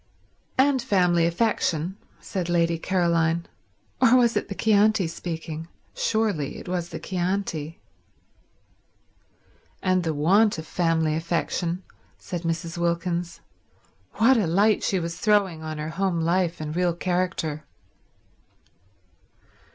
"And family affection," said Lady Caroline—or was it the Chianti speaking? Surely it was the Chianti. "And the want of family affection," said Mrs. Wilkins—what a light she was throwing on her home life and real character.